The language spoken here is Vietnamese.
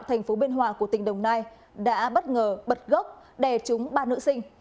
thành phố bên hòa của tỉnh đồng nai đã bất ngờ bật gốc đè trúng ba nữ sinh